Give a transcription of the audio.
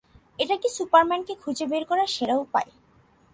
এটা কি সুপারম্যানকে খুঁজে বের করার সেরা উপায়?